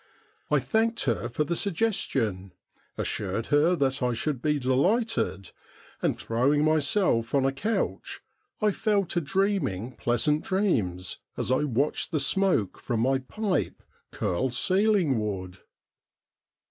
I thanked her for the suggestion, assured her that I should be delighted, and throwing myself on a couch I fell to dreaming pleasant dreams as I watched the smoke from my pipe curl ceilingward.